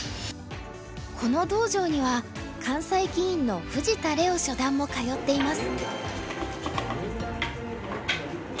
この道場には関西棋院の藤田央初段も通っています。